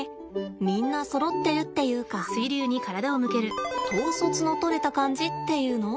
みんなそろってるっていうか統率のとれた感じっていうの？